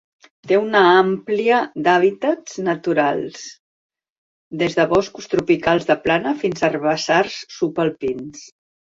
Té una àmplia d'hàbitats naturals, des de boscos tropicals de plana fins a herbassars subalpins.